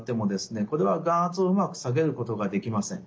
これは眼圧をうまく下げることができません。